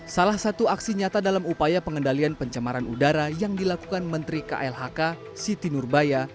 salah satu aksi nyata dalam upaya pengendalian pencemaran udara yang dilakukan menteri klhk siti nurbaya